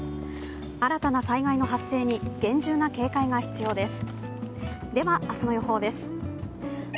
新たな災害の発生に厳重な警戒が必要です。